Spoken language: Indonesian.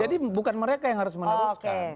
jadi bukan mereka yang harus meneruskan